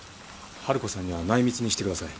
ハル子さんには内密にしてください。